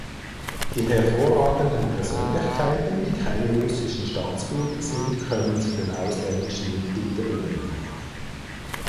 Die hervorragenden Persönlichkeiten, die keine russischen Staatsbürger sind, können zu den ausländischen Mitgliedern werden.